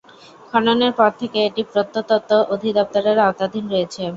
খননের পর থেকে এটি প্রত্নতত্ত্ব অধিদপ্তরের আওতাধীন রয়েছে।